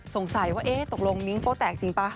สงสัยว่าเอ๊ะตกลงมิ้งโป้แตกจริงป่ะ